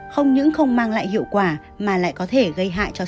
không những không mang lại hiệu quả mà lại có thể gây hại cho xã